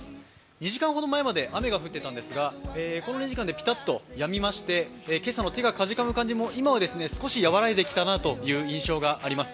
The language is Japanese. ２時間ほど前まで雨が降っていたんですが、この２時間でピタッとやみまして、今朝の手がかじかむ感じも今は少し和らいできたなという印象があります。